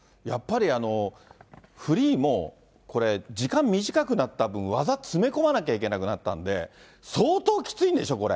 やっぱりフリーもこれ、時間短くなった分、技詰め込まなきゃいけなくなったんで、相当きついんでしょ？